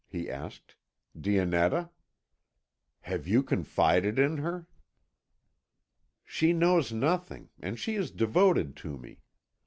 he asked. "Dionetta." "Have you confided in her?" "She knows nothing, and she is devoted to me.